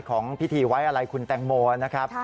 ของพิธีไว้อะไรคุณแตงโมนะครับ